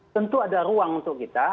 tentu ada ruang untuk kita